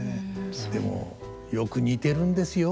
でもよく似てるんですよ